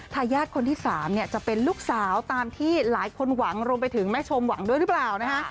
ทายาทคนที่๓จะเป็นลูกสาวตามที่หลายคนหวังรวมไปถึงแม่ชมหวังด้วยหรือเปล่านะคะ